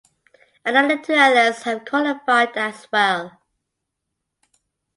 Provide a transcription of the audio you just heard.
Another two athletes have qualified as well.